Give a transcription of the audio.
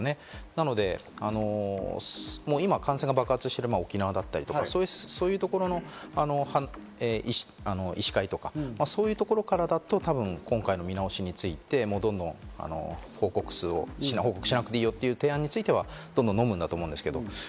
なので、今、感染が爆発している沖縄だったりとかそういうところの医師会とか、そういうところからだと今回の見直しについて報告しなくていいという提案はのむと思うんですけど。